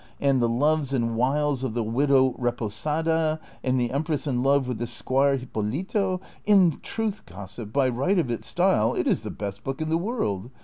and the loves and wiles of the widow Reposada, and the empress in love with the squire Hipolito — in truth, gossip, by right of its style it is the best book in the world.